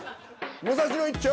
武蔵野一丁！